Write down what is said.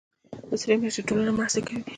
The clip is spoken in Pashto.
د سرې میاشتې ټولنه مرستې کوي